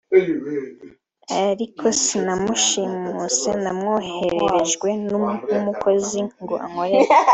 ariko sinamushimuse namwohererejwe nk’umukozi ngo ankorere